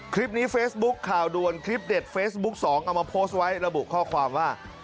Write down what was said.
คลิปนี้เฟซบุ๊กข่าวด้วนคลิปเด็ดเฟซบุ๊ก๒เอามาโพสต์ไว้